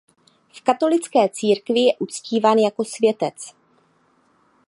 V katolické církvi je uctíván jako světec.